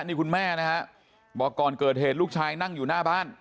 นี่คุณแม่นะฮะบอกก่อนเกิดเหตุลูกชายนั่งอยู่หน้าบ้าน